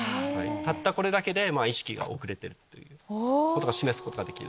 たったこれだけで意識が遅れてるということが示すことができる。